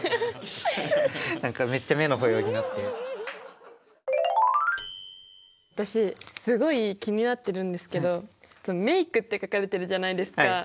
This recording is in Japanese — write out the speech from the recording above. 何かめっちゃ私すごい気になってるんですけど「メイク」って書かれてるじゃないですか。